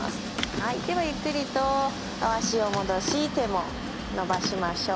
はいではゆっくりと脚を戻し手も伸ばしましょう。